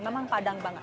memang padang banget